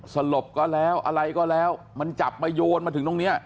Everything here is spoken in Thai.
สลบก็แล้วอะไรก็แล้วมันจับมาโยนมาถึงตรงนี้